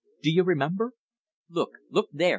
Do you remember? Look! Look there!